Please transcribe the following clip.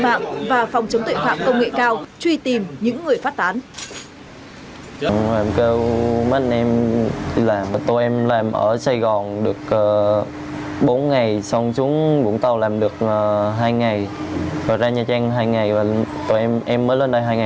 mạng và phòng chống tuệ phạm công nghệ cao truy tìm những người phát tán